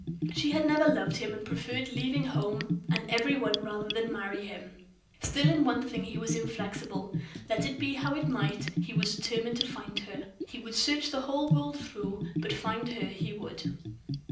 She had never loved him, and preferred leaving home and every one rather than marry him. Still, in one thing, he was inflexible; let it be how it might, he was determined to find her. He would search the whole world through, but find her he would.